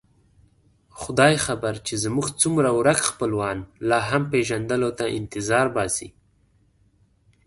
خدای خبر چې زموږ څومره ورک خپلوان لا هم پېژندلو ته انتظار باسي.